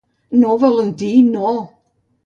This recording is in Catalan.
No, Valentí, no!